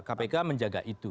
kpk menjaga itu